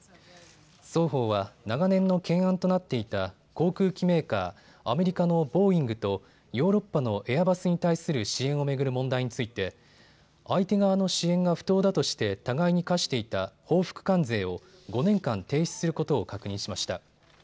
双方は長年の懸案となっていた航空機メーカー、アメリカのボーイングとヨーロッパのエアバスに対する支援を巡る問題について相手側の支援が不当だとして互いに課していた報復関税を５年間停止することを確認しました。